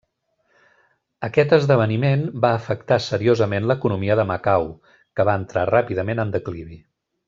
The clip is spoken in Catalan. Aquest esdeveniment va afectar seriosament l'economia de Macau, que va entrar ràpidament en declivi.